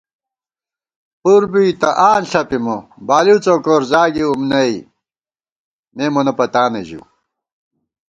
پُر بی تہ آں ݪَپِمہ ، بالِؤ څوکور زاگِؤ نئ، مے مونہ پتانہ ژِؤ